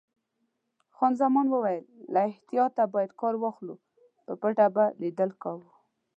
خان زمان وویل: له احتیاطه باید کار واخلو، په پټه به لیدل کوو.